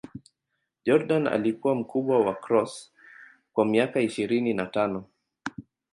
Jordan alikuwa mkubwa wa Cross kwa miaka ishirini na tano.